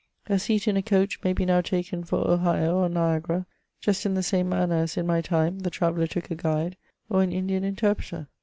A seat in a coach may be now taken for Ohio or Niagara, just in the same manner as^ in my time, the traveller took a guide, or an Indian interpreter.